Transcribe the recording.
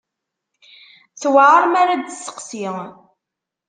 Tewɛer mi ara d-testeqsi.